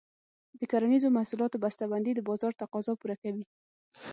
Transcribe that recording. د کرنیزو محصولاتو بسته بندي د بازار تقاضا پوره کوي.